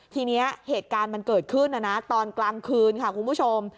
ทีนี้เหตุการณ์มันเกิดขึ้นนะนะตอนกลางคืนค่ะคุณผู้ชม